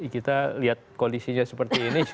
kita lihat kondisinya seperti ini